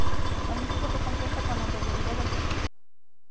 La música fue compuesta con anterioridad al texto.